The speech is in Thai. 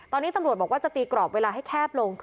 ตอนนี้ตำรวจบอกว่าจะตีกรอบเวลาให้แคบลง